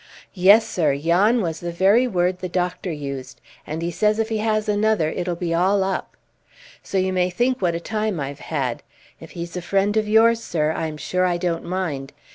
"Yes, sir, yon was the very word the doctor used, and he says if he has another it'll be all up. So you may think what a time I've had! If he's a friend of yours, sir, I'm sure I don't mind.